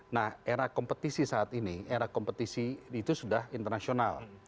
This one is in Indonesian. nah era kompetisi saat ini era kompetisi itu sudah internasional